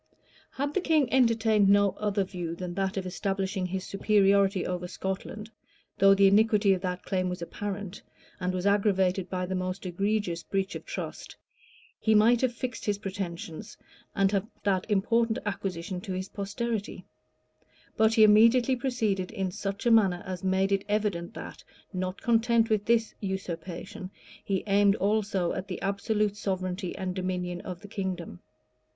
} Had the king entertained no other view than that of establishing his superiority over Scotland, though the iniquity of that claim was apparent, and was aggravated by the most egregious breach of trust, he might have fixed his pretensions, and have left that important acquisition to his posterity: but he immediately proceeded in such a manner as made it evident that, not content with this usurpation, he aimed also at the absolute sovereignty and dominion of the kingdom.